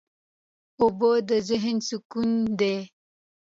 اوبه د ذهن سکون دي.